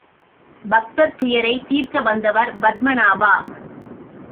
பக்தர் துயரைத் தீர்க்க வந்தவர் பத்மநாபா!